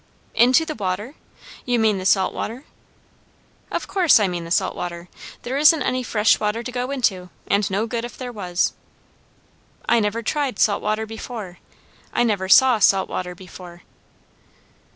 "Into the water! You mean the salt water?" "Of course I mean the salt water. There isn't any fresh water to go into, and no good if there was." "I never tried salt water. I never saw salt water before."